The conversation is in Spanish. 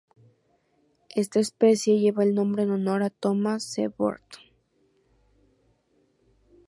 Esta especie lleva el nombre en honor a Thomas C. Burton.